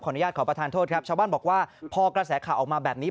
อนุญาตขอประทานโทษครับชาวบ้านบอกว่าพอกระแสข่าวออกมาแบบนี้